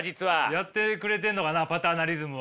やってくれてんのかなパターナリズムを。